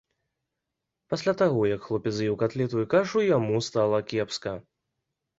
Пасля таго як хлопец з'еў катлету і кашу, яму стала кепска.